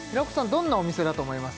どんなお店だと思います？